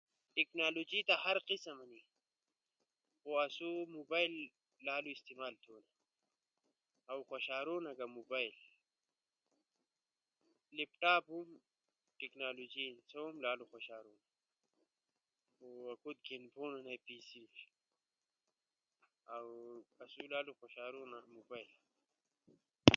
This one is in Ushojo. ٹیکنالوجی تا ہر قسم ہنی خو اسو موبائل لالو زیاد استعمال تھونا۔ او خوشارونا گا موبائل، او لیپ ٹاپ ، کمپیوٹر ہم لالو زیاد خوشارونا ، کے انا اسئی ضرورت ہنی۔ خو موبائل لالو ضروری شیئی ہنو سیس کارا اسئ موبائل لالو زیاد خوشارونا۔ چین دور ٹیکنالوجی دور ہنو، گاڑے، موٹر، ٹی وی، جھاز، کمپیوٹر ، موبائل، نو نو مشین، انٹرنیٹ اؤ ہر نمونا ٹیکنالوجی دنیا در موجود ہنی۔ ٹیکنالوجی زریعہ در ترقی تھینی۔ جے کوروم پخوا کال در مکمل تھینو چین گا ٹیکنالوجی زریعہ در ایک دیس در پورا بینی۔ ٹیکنالوجی استعمال او ٹیکنالوجی ازدا تھونو انا دور در لالو ضروری ہنو۔